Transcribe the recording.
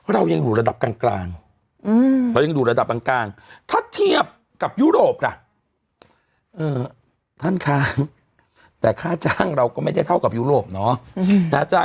แล้วเขาจะรู้ได้ไงว่าเจี๊ยบคนไหน